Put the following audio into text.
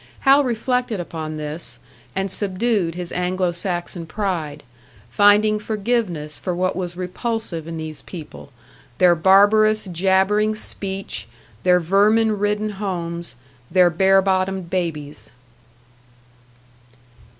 Hal reflected upon this, and subdued his Anglo Saxon pride, finding forgiveness for what was repulsive in these people their barbarous, jabbering speech, their vermin ridden homes, their bare bottomed babies.